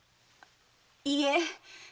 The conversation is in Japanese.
いいえ。